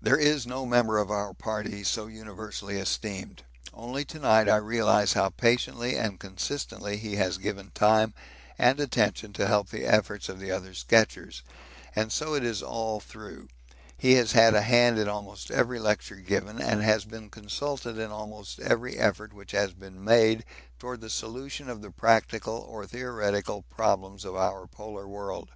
There is no member of our party so universally esteemed; only to night I realise how patiently and consistently he has given time and attention to help the efforts of the other sketchers, and so it is all through; he has had a hand in almost every lecture given, and has been consulted in almost every effort which has been made towards the solution of the practical or theoretical problems of our polar world.